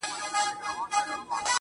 • زما زړه په محبت باندي پوهېږي.